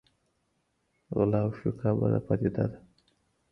غلا او شوکه بده پدیده ده.